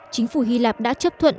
chính phủ hy lạp đã chấp thuận